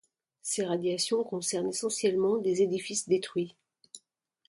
Ces radiations concernent essentiellement des édifices détruits.